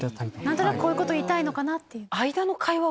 何となくこういうこと言いたいのかなって。